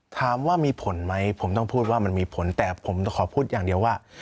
ถามว่ามีผลไหมผมต้องพูดว่ามันมีผลแต่ผมขอพูดอย่างเดียวว่า